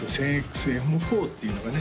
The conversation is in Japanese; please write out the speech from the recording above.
ＸＭ４っていうのがね